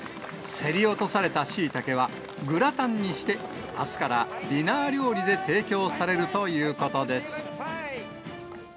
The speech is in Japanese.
競り落とされたしいたけはグラタンにして、あすからディナー料理で提供されるということです。